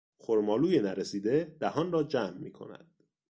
خرمالوی نرسیده دهان را جمع میکند.